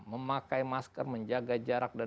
memakai masker menjaga jarak dan